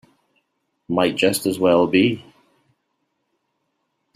Might just as well be.